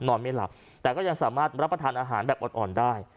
ไม่หลับแต่ก็ยังสามารถรับประทานอาหารแบบอ่อนได้